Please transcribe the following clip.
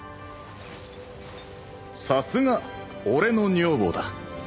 さすが俺の女房だ。